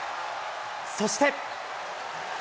そして。